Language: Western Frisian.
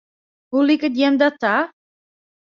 Hoe liket jim dat ta?